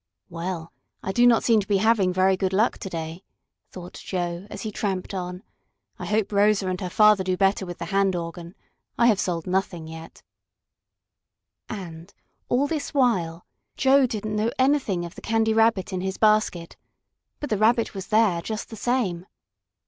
"Well, I do not seem to be going to have very good luck to day," thought Joe, as he tramped on. "I hope Rosa and her father do better with the hand organ. I have sold nothing yet." And, all this while, Joe didn't know anything of the Candy Rabbit in his basket. But the Rabbit was there, just the same.